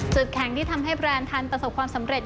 แข่งที่ทำให้แบรนด์ทันประสบความสำเร็จ